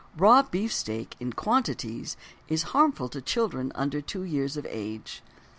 Raw beefsteak in quantities is harmful to children under two years of age.